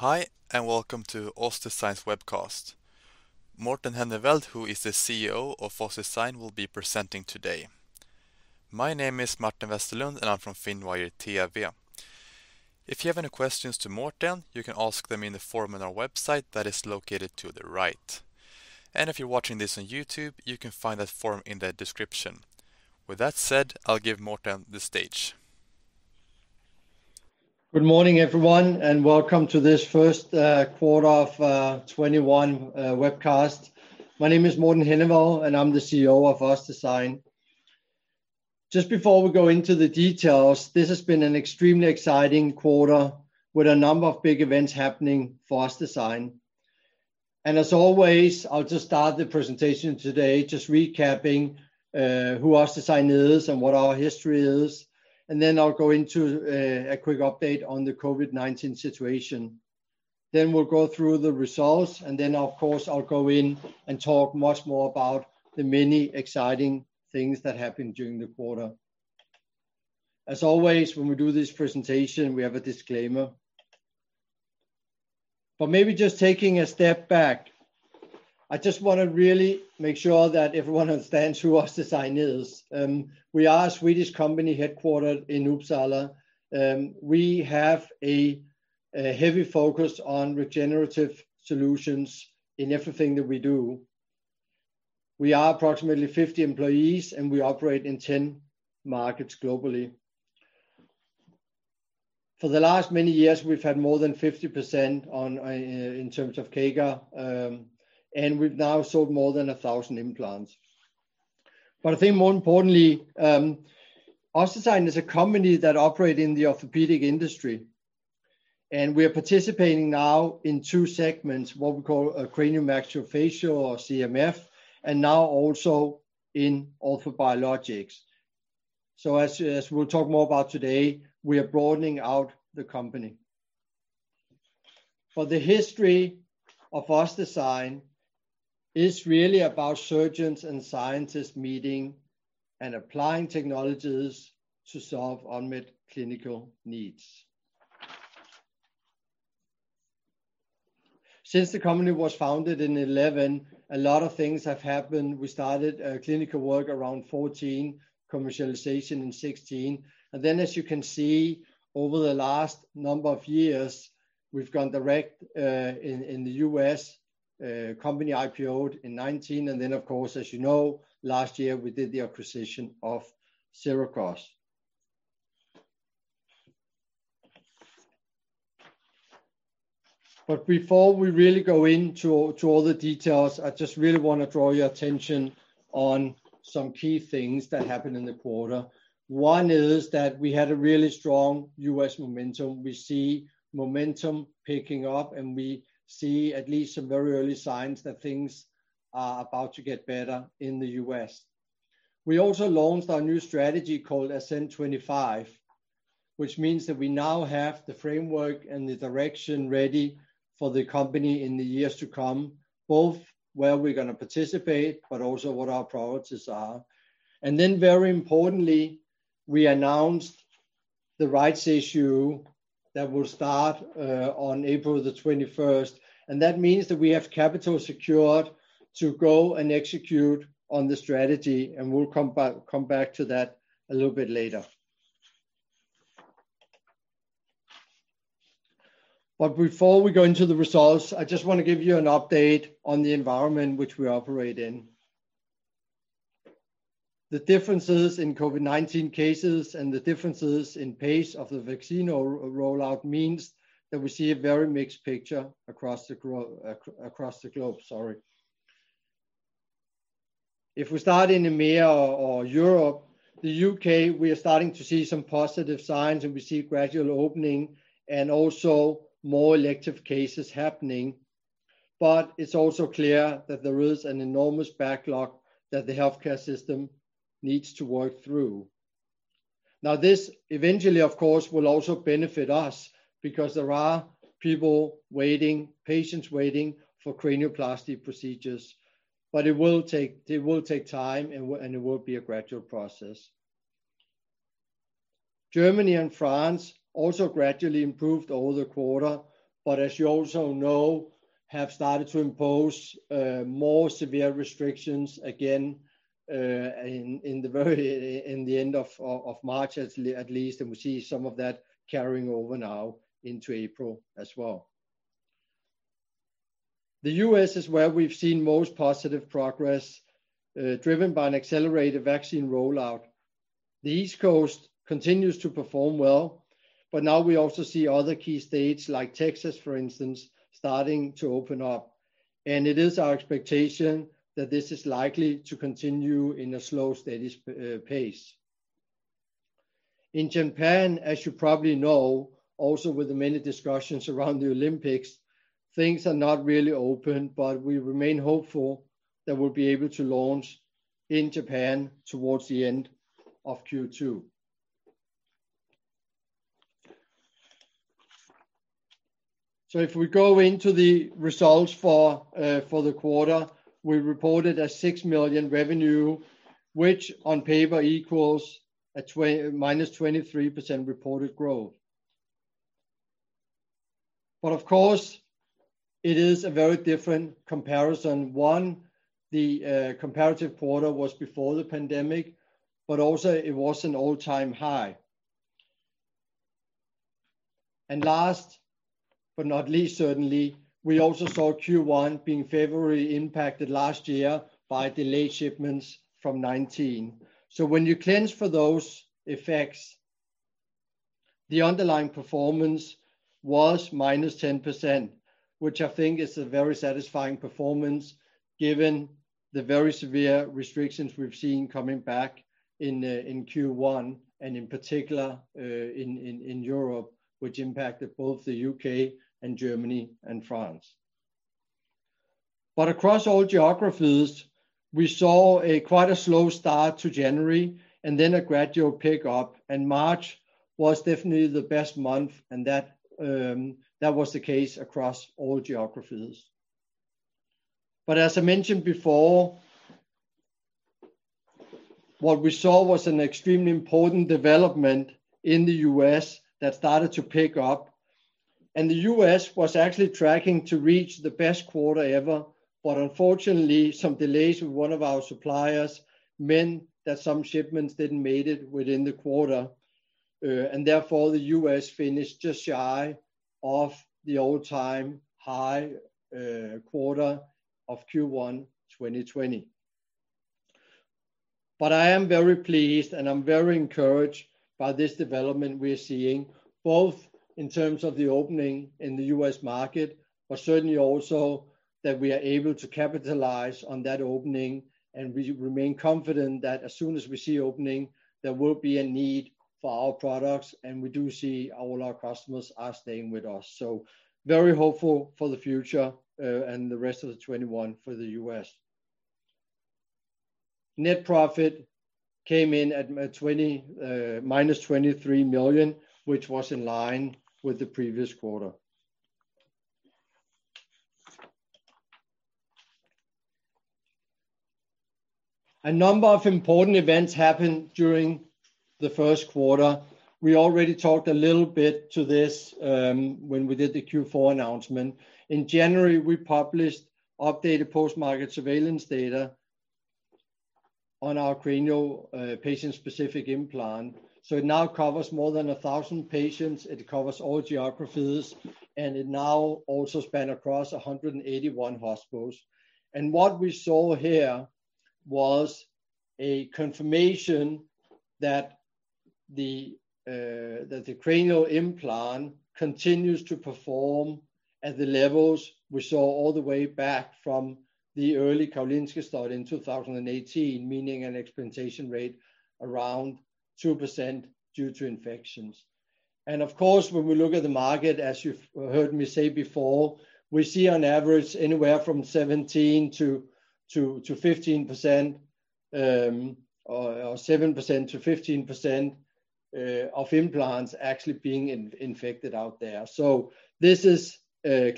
Hi, and welcome to the OssDsign webcast. Morten Henneveld, who is the CEO of OssDsign, will be presenting today. My name is Martin Westerlund, and I'm from Finnwire TV. If you have any questions for Morten, you can ask them in the form on our website that is located to the right, and if you're watching this on YouTube, you can find that form in the description. With that said, I'll give Morten the stage. Good morning, everyone, and welcome to this first quarter of 2021 webcast. My name is Morten Henneveld, and I'm the CEO of OssDsign. Just before we go into the details, this has been an extremely exciting quarter with a number of big events happening for OssDsign, and as always, I'll just start the presentation today, just recapping who OssDsign is and what our history is. And then I'll go into a quick update on the COVID-19 situation, then we'll go through the results, and then, of course, I'll go in and talk much more about the many exciting things that happened during the quarter. As always, when we do this presentation, we have a disclaimer, but maybe just taking a step back, I just want to really make sure that everyone understands who OssDsign is. We are a Swedish company headquartered in Uppsala. We have a heavy focus on regenerative solutions in everything that we do. We are approximately 50 employees, and we operate in 10 markets globally. For the last many years, we've had more than 50% in terms of CAGR, and we've now sold more than 1,000 implants. But I think more importantly, OssDsign is a company that operates in the orthopedic industry. And we are participating now in two segments, what we call cranio-maxillofacial, or CMF, and now also in orthobiologics. So as we'll talk more about today, we are broadening out the company. But the history of OssDsign is really about surgeons and scientists meeting and applying technologies to solve unmet clinical needs. Since the company was founded in 2011, a lot of things have happened. We started clinical work around 2014, commercialization in 2016. And then, as you can see, over the last number of years, we've gone direct in the U.S., company IPO'd in 2019. And then, of course, as you know, last year, we did the acquisition of Sirakoss. But before we really go into all the details, I just really want to draw your attention on some key things that happened in the quarter. One is that we had a really strong U.S. momentum. We see momentum picking up, and we see at least some very early signs that things are about to get better in the U.S. We also launched our new strategy called Ascent25, which means that we now have the framework and the direction ready for the company in the years to come, both where we're going to participate, but also what our priorities are. And then, very importantly, we announced the rights issue that will start on April the 21st. And that means that we have capital secured to go and execute on the strategy. And we'll come back to that a little bit later. But before we go into the results, I just want to give you an update on the environment which we operate in. The differences in COVID-19 cases and the differences in pace of the vaccine rollout means that we see a very mixed picture across the globe. Sorry. If we start in EMEA or Europe, the UK, we are starting to see some positive signs, and we see gradual opening and also more elective cases happening. But it's also clear that there is an enormous backlog that the healthcare system needs to work through. Now, this eventually, of course, will also benefit us because there are people waiting, patients waiting for cranioplasty procedures. But it will take time, and it will be a gradual process. Germany and France also gradually improved over the quarter. But as you also know, have started to impose more severe restrictions again in the end of March, at least, and we see some of that carrying over now into April as well. The U.S. is where we've seen most positive progress, driven by an accelerated vaccine rollout. The East Coast continues to perform well. But now we also see other key states, like Texas, for instance, starting to open up, and it is our expectation that this is likely to continue in a slow, steady pace. In Japan, as you probably know, also with the many discussions around the Olympics, things are not really open. But we remain hopeful that we'll be able to launch in Japan towards the end of Q2. So if we go into the results for the quarter, we reported six million revenue, which on paper equals a minus 23% reported growth. But of course, it is a very different comparison. One, the comparative quarter was before the pandemic, but also it was an all-time high. And last but not least, certainly, we also saw Q1 being very impacted last year by delayed shipments from 2019. So when you cleanse for those effects, the underlying performance was minus 10%, which I think is a very satisfying performance given the very severe restrictions we've seen coming back in Q1, and in particular in Europe, which impacted both the U.K. and Germany and France. But across all geographies, we saw quite a slow start to January and then a gradual pickup. And March was definitely the best month. And that was the case across all geographies. But as I mentioned before, what we saw was an extremely important development in the U.S. that started to pick up. And the U.S. was actually tracking to reach the best quarter ever. But unfortunately, some delays with one of our suppliers meant that some shipments didn't make it within the quarter. And therefore, the U.S. finished just shy of the all-time high quarter of Q1 2020. But I am very pleased, and I'm very encouraged by this development we're seeing, both in terms of the opening in the U.S. market, but certainly also that we are able to capitalize on that opening. And we remain confident that as soon as we see opening, there will be a need for our products. And we do see all our customers are staying with us. Very hopeful for the future and the rest of 2021 for the US. Net profit came in at minus 23 million, which was in line with the previous quarter. A number of important events happened during the first quarter. We already talked a little bit to this when we did the Q4 announcement. In January, we published updated post-market surveillance data on our cranial patient-specific implant. So it now covers more than 1,000 patients. It covers all geographies. And it now also spanned across 181 hospitals. And what we saw here was a confirmation that the cranial implant continues to perform at the levels we saw all the way back from the early Kobilinsky study in 2018, meaning an explantation rate around 2% due to infections. Of course, when we look at the market, as you heard me say before, we see on average anywhere from 17%-15%, or 7%-15% of implants actually being infected out there. So this is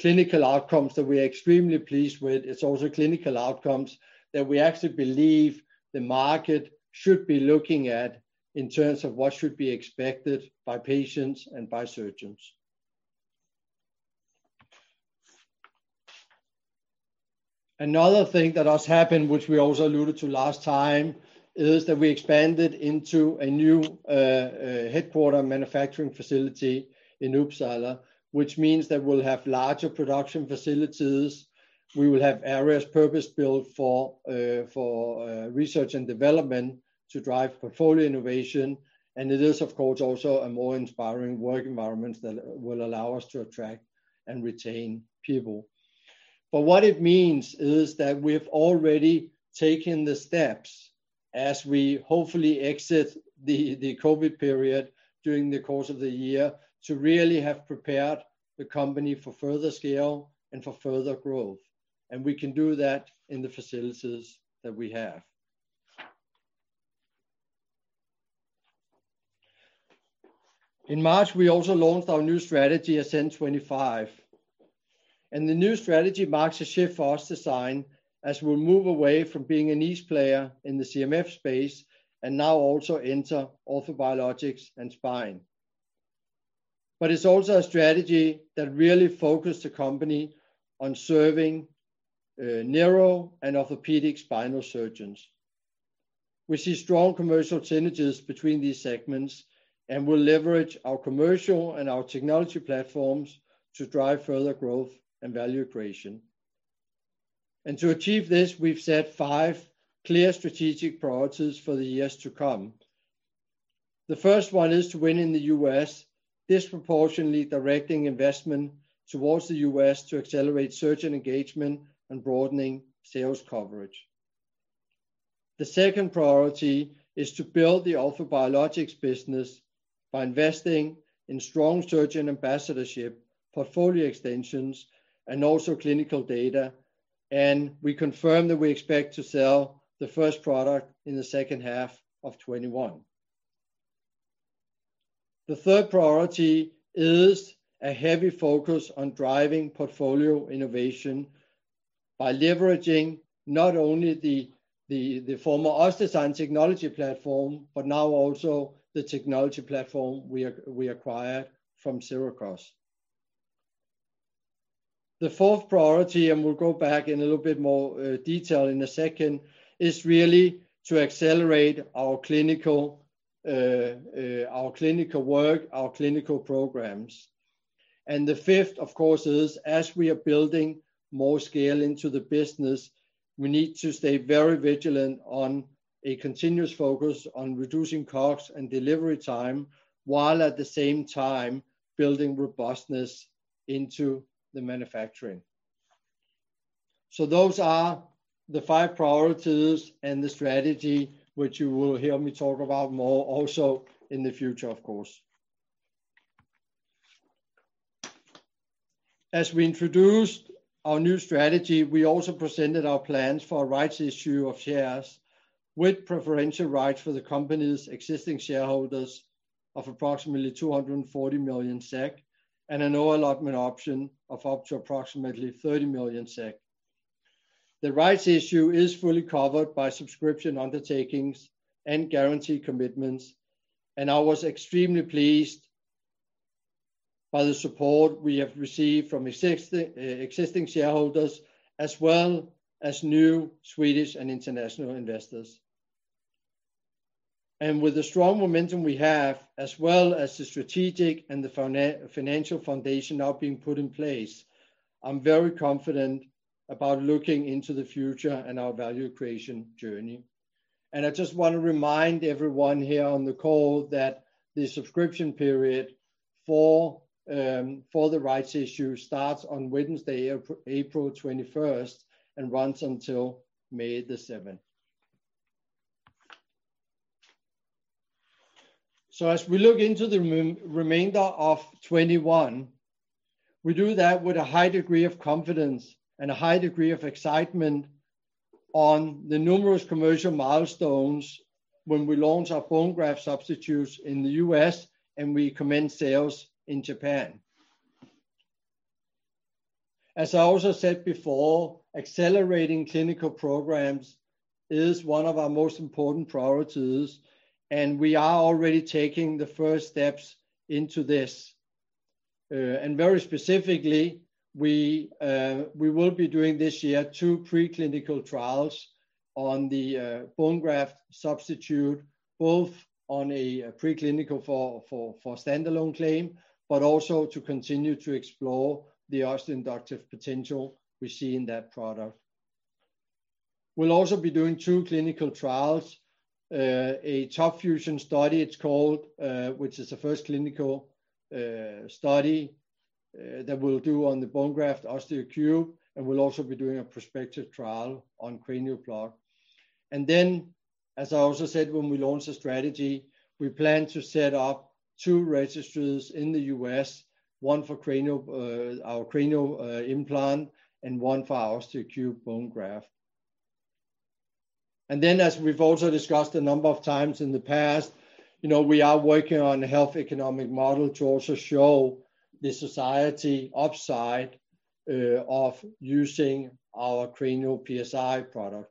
clinical outcomes that we are extremely pleased with. It's also clinical outcomes that we actually believe the market should be looking at in terms of what should be expected by patients and by surgeons. Another thing that has happened, which we also alluded to last time, is that we expanded into a new headquarters manufacturing facility in Uppsala, which means that we'll have larger production facilities. We will have areas purpose-built for research and development to drive portfolio innovation. It is, of course, also a more inspiring work environment that will allow us to attract and retain people. What it means is that we've already taken the steps as we hopefully exit the COVID period during the course of the year to really have prepared the company for further scale and for further growth. We can do that in the facilities that we have. In March, we also launched our new strategy, Ascent 25. The new strategy marks a shift for OssDsign as we move away from being a niche player in the CMF space and now also enter orthobiologics and spine. It's also a strategy that really focuses the company on serving neuro and orthopedic spinal surgeons. We see strong commercial synergies between these segments and will leverage our commercial and our technology platforms to drive further growth and value creation. To achieve this, we've set five clear strategic priorities for the years to come. The first one is to win in the U.S., disproportionately directing investment towards the U.S. to accelerate surgeon engagement and broadening sales coverage. The second priority is to build the orthobiologics business by investing in strong surgeon ambassadorship, portfolio extensions, and also clinical data. And we confirm that we expect to sell the first product in the second half of 2021. The third priority is a heavy focus on driving portfolio innovation by leveraging not only the former OssDsign technology platform, but now also the technology platform we acquired from Sirakoss. The fourth priority, and we'll go back in a little bit more detail in a second, is really to accelerate our clinical work, our clinical programs. The fifth, of course, is as we are building more scale into the business, we need to stay very vigilant on a continuous focus on reducing costs and delivery time while at the same time building robustness into the manufacturing. Those are the five priorities and the strategy which you will hear me talk about more also in the future, of course. As we introduced our new strategy, we also presented our plans for rights issue of shares with preferential rights for the company's existing shareholders of approximately 240 million SEK and an allotment option of up to approximately 30 million SEK. The rights issue is fully covered by subscription undertakings and guarantee commitments. I was extremely pleased by the support we have received from existing shareholders, as well as new Swedish and international investors. With the strong momentum we have, as well as the strategic and the financial foundation now being put in place, I'm very confident about looking into the future and our value creation journey. And I just want to remind everyone here on the call that the subscription period for the rights issue starts on Wednesday, April 21st, and runs until May the 7th. So as we look into the remainder of 2021, we do that with a high degree of confidence and a high degree of excitement on the numerous commercial milestones when we launch our bone graft substitutes in the U.S. and we commence sales in Japan. As I also said before, accelerating clinical programs is one of our most important priorities. And we are already taking the first steps into this. And very specifically, we will be doing this year two preclinical trials on the bone graft substitute, both on a preclinical for standalone claim, but also to continue to explore the osteoinductive potential we see in that product. We'll also be doing two clinical trials, a TOP FUSION study, it's called, which is the first clinical study that we'll do on the bone graft osteo3. And we'll also be doing a prospective trial on Cranial Plug. And then, as I also said, when we launch the strategy, we plan to set up two registries in the U.S., one for our cranial implant and one for osteo3 bone graft. And then, as we've also discussed a number of times in the past, we are working on a health economic model to also show the society upside of using our Cranial PSI product.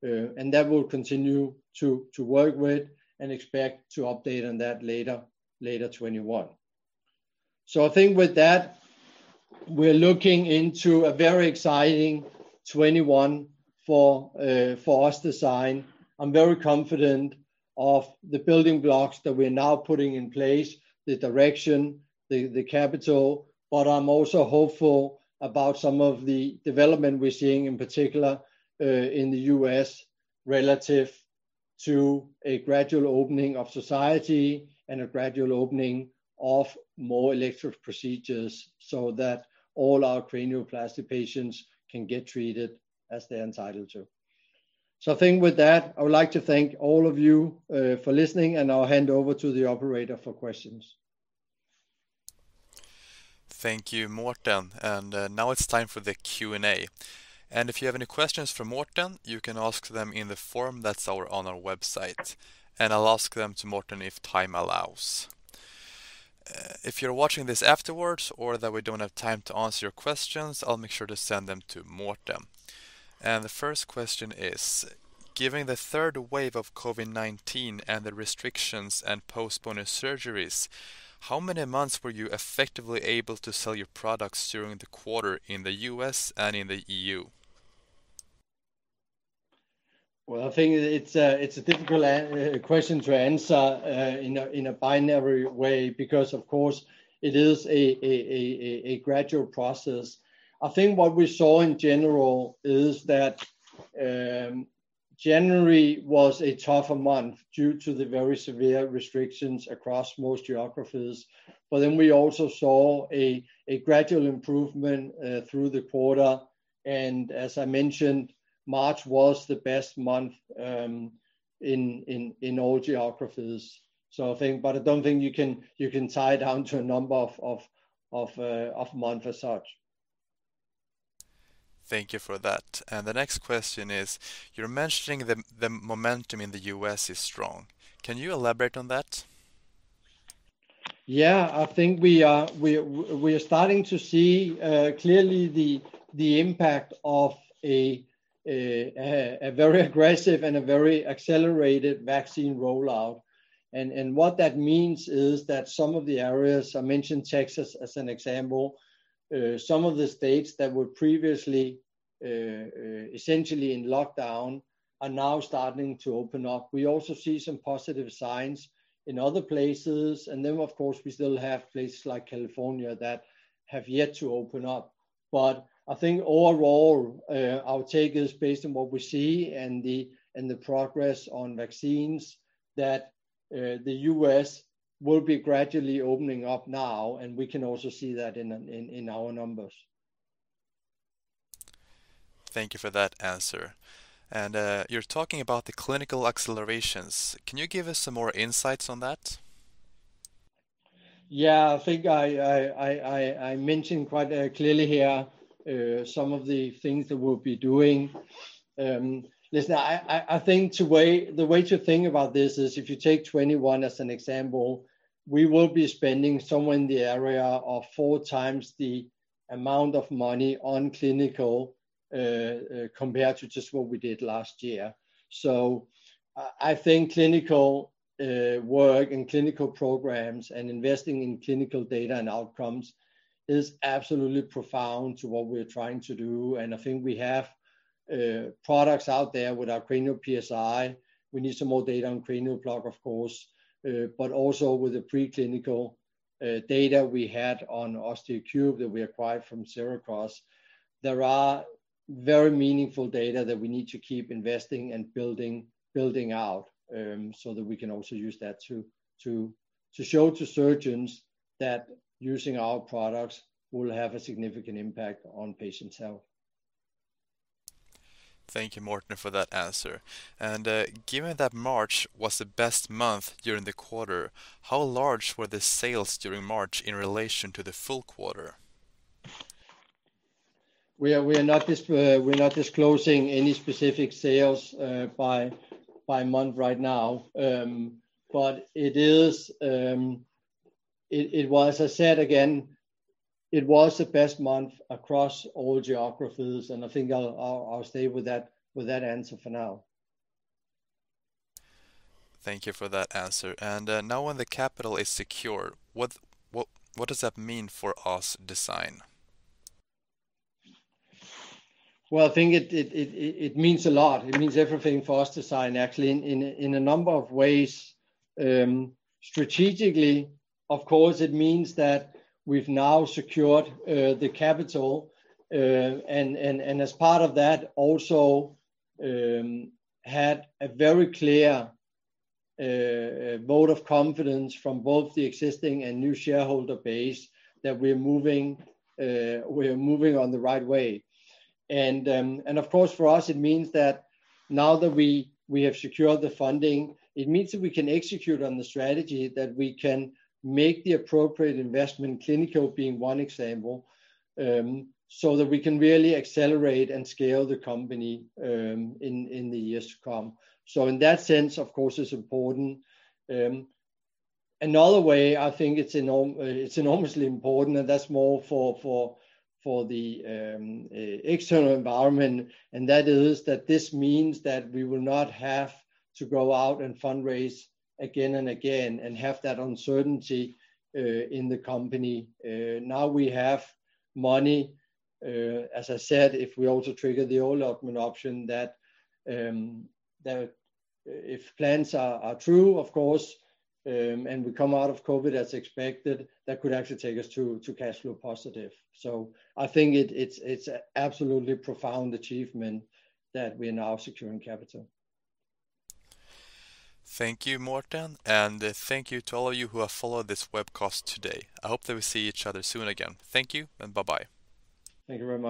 That will continue to work with and expect to update on that later 2021. I think with that, we're looking into a very exciting 2021 for OssDsign. I'm very confident of the building blocks that we're now putting in place, the direction, the capital. But I'm also hopeful about some of the development we're seeing, in particular in the U.S., relative to a gradual opening of society and a gradual opening of more elective procedures so that all our cranioplasty patients can get treated as they're entitled to. I think with that, I would like to thank all of you for listening. I'll hand over to the operator for questions. Thank you, Morten. Now it's time for the Q&A. If you have any questions for Morten, you can ask them in the form that's on our website. I'll ask them to Morten if time allows. If you're watching this afterwards or that we don't have time to answer your questions, I'll make sure to send them to Morten. The first question is, given the third wave of COVID-19 and the restrictions and postponed surgeries, how many months were you effectively able to sell your products during the quarter in the US and in the EU? I think it's a difficult question to answer in a binary way because, of course, it is a gradual process. I think what we saw in general is that January was a tougher month due to the very severe restrictions across most geographies, but then we also saw a gradual improvement through the quarter, and as I mentioned, March was the best month in all geographies, but I don't think you can tie it down to a number of months as such. Thank you for that. And the next question is, you're mentioning the momentum in the U.S. is strong. Can you elaborate on that? Yeah. I think we are starting to see clearly the impact of a very aggressive and a very accelerated vaccine rollout. And what that means is that some of the areas, I mentioned Texas as an example, some of the states that were previously essentially in lockdown are now starting to open up. We also see some positive signs in other places. And then, of course, we still have places like California that have yet to open up. But I think overall, our take is based on what we see and the progress on vaccines that the U.S. will be gradually opening up now. And we can also see that in our numbers. Thank you for that answer, and you're talking about the clinical accelerations. Can you give us some more insights on that? Yeah. I think I mentioned quite clearly here some of the things that we'll be doing. Listen, I think the way to think about this is if you take 2021 as an example, we will be spending somewhere in the area of four times the amount of money on clinical compared to just what we did last year. So I think clinical work and clinical programs and investing in clinical data and outcomes is absolutely profound to what we're trying to do. And I think we have products out there with our Cranial PSI. We need some more data on Cranial Plug, of course. But also with the preclinical data we had on osteo3 that we acquired from Sirakoss, there are very meaningful data that we need to keep investing and building out so that we can also use that to show to surgeons that using our products will have a significant impact on patients' health. Thank you, Morten, for that answer. And given that March was the best month during the quarter, how large were the sales during March in relation to the full quarter? We are not disclosing any specific sales by month right now. But it was, as I said again, it was the best month across all geographies. And I think I'll stay with that answer for now. Thank you for that answer and now when the capital is secure, what does that mean for OssDsign? I think it means a lot. It means everything for OssDsign, actually, in a number of ways. Strategically, of course, it means that we've now secured the capital, and as part of that, also had a very clear vote of confidence from both the existing and new shareholder base that we are moving on the right way, and of course, for us, it means that now that we have secured the funding, it means that we can execute on the strategy that we can make the appropriate investment, clinical being one example, so that we can really accelerate and scale the company in the years to come, so in that sense, of course, it's important. Another way, I think it's enormously important, and that's more for the external environment. And that is that this means that we will not have to go out and fundraise again and again and have that uncertainty in the company. Now we have money. As I said, if we also trigger the allotment option, that if plans are true, of course, and we come out of COVID-19 as expected, that could actually take us to cash flow positive. So I think it's an absolutely profound achievement that we are now securing capital. Thank you, Morten. Thank you to all of you who have followed this webcast today. I hope that we see each other soon again. Thank you and bye-bye. Thank you, Robert.